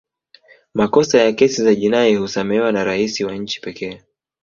makosa ya kesi za jinai husamehewa na rais wa nchi pekee